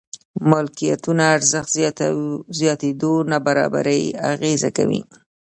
ملکيتونو ارزښت زياتېدو نابرابري اغېزه کوي.